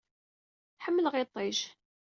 Ḥemmleɣ iṭij.